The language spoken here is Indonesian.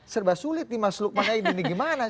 serba sulit nih mas luk pakai ini gimana sih